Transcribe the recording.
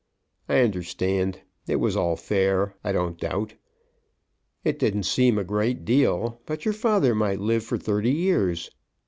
"I understand. It was all fair, I don't doubt. It didn't seem a great deal; but your father might live for thirty years."